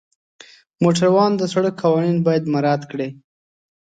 موټروان د سړک قوانین باید رعایت کړي.